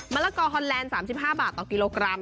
ละกอฮอนแลนด์๓๕บาทต่อกิโลกรัม